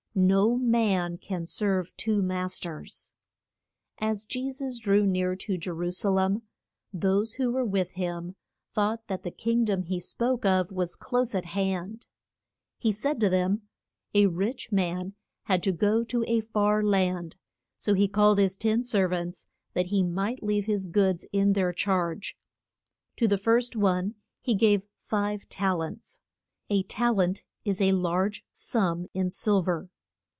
No man can serve two mas ters. As Je sus drew near to Je ru sa lem those who were with him thought that the king dom he spoke of was close at hand. He said to them, A rich man had to go to a far land, so he called his ten ser vants that he might leave his goods in their charge. To the first one he gave five tal ents. A tal ent is a large sum in sil ver.